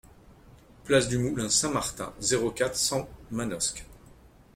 Place du Moulin Saint-Martin, zéro quatre, cent Manosque